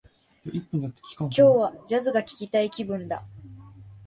今日は、ジャズが聞きたい気分だ